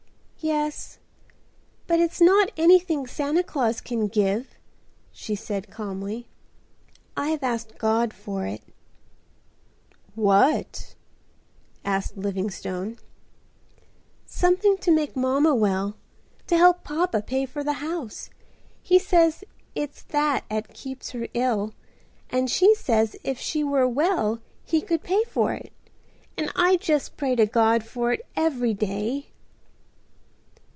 "Yes, but it's not anything Santa Claus can give," she said calmly; "I have asked God for it." "What?" asked Livingstone. "Something to make mamma well: to help papa pay for the house. He says it's that 'at keeps her ill, and she says if she were well he could pay for it: and I just pray to God for it every day."